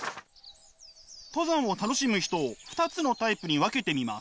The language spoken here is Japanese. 登山を楽しむ人を２つのタイプに分けてみます。